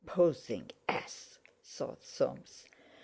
"Posing ass!" thought Soames.